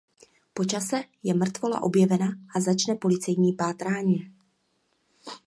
Po čase je mrtvola objevena a začne policejní pátrání.